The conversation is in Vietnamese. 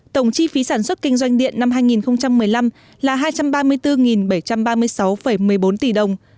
tổng chi phí sản xuất kinh doanh điện năm hai nghìn một mươi năm là hai trăm ba mươi bốn bảy trăm ba mươi sáu một mươi bốn tỷ đồng